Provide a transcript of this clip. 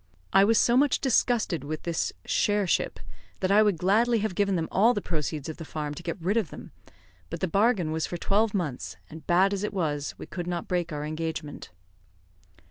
I was so much disgusted with this shareship, that I would gladly have given them all the proceeds of the farm to get rid of them, but the bargain was for twelve months, and bad as it was, we could not break our engagement.